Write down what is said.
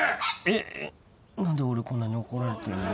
えっ何で俺こんなに怒られてんの？